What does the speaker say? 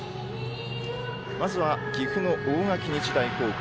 まずは岐阜の大垣日大高校。